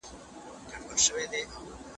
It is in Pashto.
دا جواب ورکول له هغه مهم دي!.